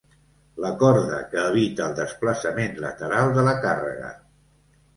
La corda que evita el desplaçament lateral de la càrrega.